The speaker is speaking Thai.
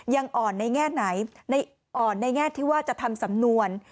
ยังอ่อนในแง่ไหนอ่อนในแง่ที่ว่าจะทำสำนวน